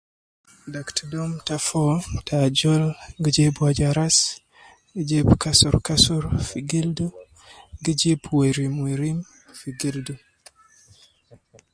Dakt dom te foo, te ajol gi jib waja ras, gi jib kasurkasur fi gildu, gi jib werimwerim fi gildu